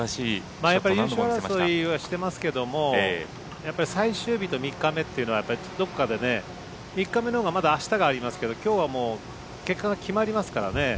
優勝争いはしてますけども最終日と３日目というのはどこかで３日目のほうが明日がありますけどきょうはもう結果が決まりますからね。